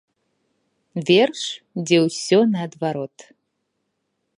Верш, дзе ўсё наадварот.